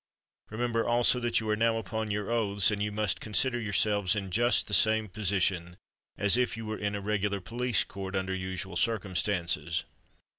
Remember, also, that you are now upon your oaths; and you must consider yourselves in just the same position as if you were in a regular police court, under usual circumstances."